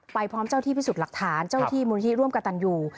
ไปพร้อมเจ้าที่พิสูจน์หลักฐานเจ้าที่บุญธรรมกะตันอยู่